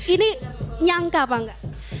ini nyangka apa enggak